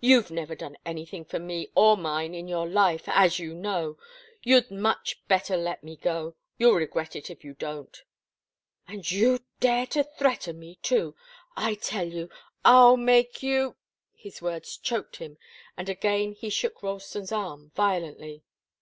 "You've never done anything for me or mine in your life as you know. You'd much better let me go. You'll regret it if you don't." "And you dare to threaten me, too I tell you I'll make you " His words choked him, and again he shook Ralston's arm violently.